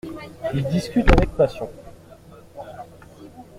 Ils discutent avec passion.